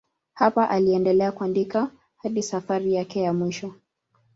Hapa aliendelea kuandika hadi safari yake ya mwisho.